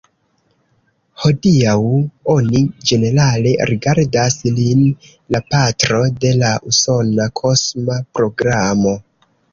Hodiaŭ oni ĝenerale rigardas lin la patro de la usona kosma programo.